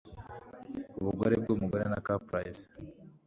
Ubugore bwumugore na caprice